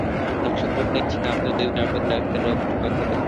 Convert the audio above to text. আমি শপথ নিয়েছিলাম আপনাদের নিরাপদে রাখতে, আর অবশ্যই কথা রাখতে পেরেছি।